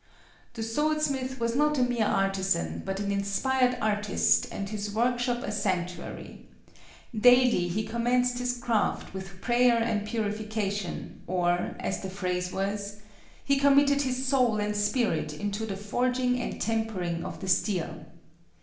The swordsmith was not a mere artisan but an inspired artist and his workshop a sanctuary. Daily he commenced his craft with prayer and purification, or, as the phrase was, "he committed his soul and spirit into the forging and tempering of the steel."